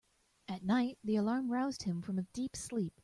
At night the alarm roused him from a deep sleep.